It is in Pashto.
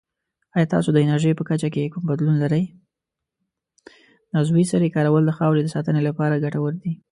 د عضوي سرې کارول د خاورې د ساتنې لپاره ګټور دي.